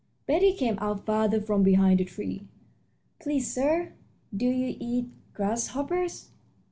] Betty came out farther from behind the tree. "Please, sir, do you eat grasshoppers?"